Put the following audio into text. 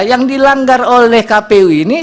yang dilanggar oleh kpu ini